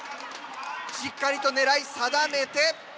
しっかりと狙い定めて。